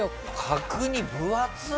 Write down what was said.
角煮分厚っ！